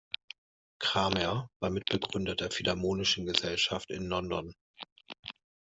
Cramer war Mitbegründer der Philharmonischen Gesellschaft in London.